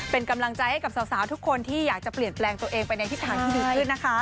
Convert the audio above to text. เป็นกำลังใจให้กับสาวทุกคนที่อยากจะเปลี่ยนแปลงตัวเองไปในทิศทางที่ดีขึ้นนะคะ